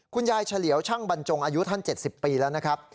เฉลียวช่างบรรจงอายุท่าน๗๐ปีแล้วนะครับ